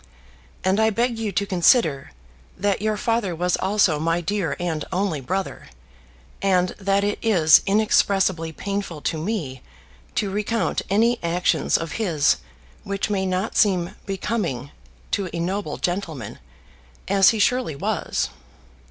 And I beg you to consider that your father was also my dear and only brother, and that it is inexpressibly painful to me to recount any actions of his which may not seem becoming to a noble gentleman, as he surely was.